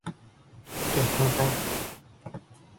It failed to reach as much success as his earlier singles, however.